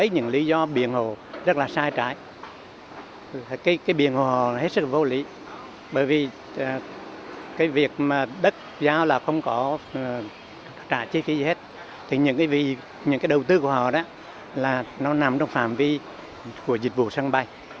nó nằm trong phạm vi của dịch vụ sân bay